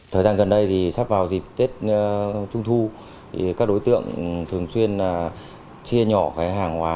thời gian gần đây thì sắp vào dịp tết trung thu thì các đối tượng thường xuyên chia nhỏ cái hàng hóa